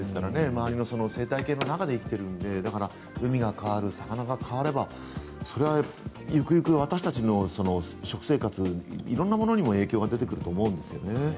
周りの生態系の中で生きているからだから、海が変わる魚が変わればそれはゆくゆくは私たちの食生活とか色んなものにも影響が出てくると思うんですね。